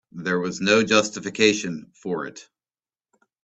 There was no justification for it.